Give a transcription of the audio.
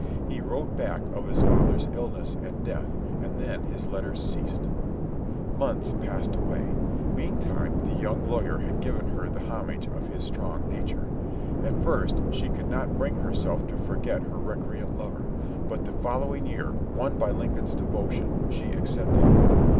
He wrote back of his father's illness and death, and then his letters ceased. Mouths passed away. Meantime the young lawyer had given her the homage of his strong nature. At first she could not bring herself to forget her recreant lover, but the following year, won by Lincoln's devotion, she accepted him.